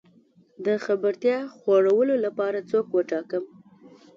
د خبرتيا خورولو لپاره څوک وټاکم؟